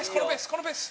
このペース。